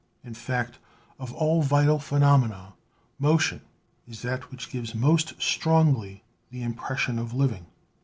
In fact, of all vital phenomena, motion is that which gives most strongly the impression of living.